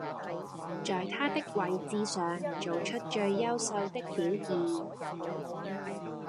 在他的位置上做出最優秀的表現